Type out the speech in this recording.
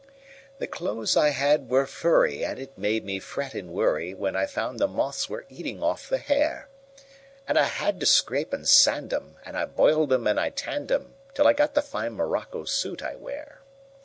The clothes I had were furry, And it made me fret and worryWhen I found the moths were eating off the hair; And I had to scrape and sand 'em, And I boiled 'em and I tanned 'em, Till I got the fine morocco suit I wear.